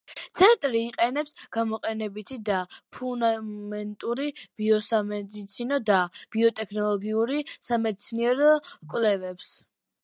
ცენტრი იყენებს გამოყენებითი და ფუნდამენტური ბიოსამედიცინო და ბიოტექნოლოგიური სამეცნიერო კვლევებს.